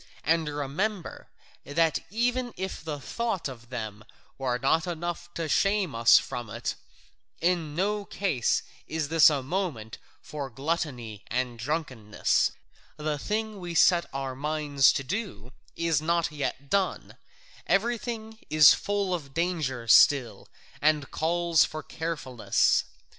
And remember, that even if the thought of them were not enough to shame us from it, in no case is this a moment for gluttony and drunkenness: the thing we set our minds to do is not yet done: everything is full of danger still, and calls for carefulness.